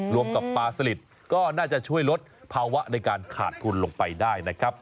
รวมกับปลาสลิดก็น่าจะช่วยลดภาวะในการขาดทุนลงไปได้นะครับ